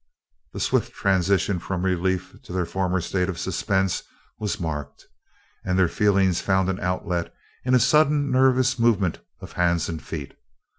The swift transition from relief to their former state of suspense was marked, and their feelings found an outlet in a sudden nervous movement of hands and feet.